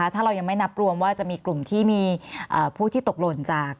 ถ้าเรายังไม่นับรวมว่าจะมีกลุ่มที่มีผู้ที่ตกหล่นจาก